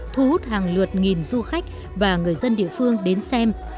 thu hút hàng lượt nghìn du khách và người dân địa phương đến xem